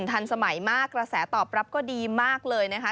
ทันสมัยมากกระแสตอบรับก็ดีมากเลยนะคะ